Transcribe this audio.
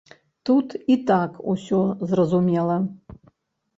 Тут і так усё зразумела.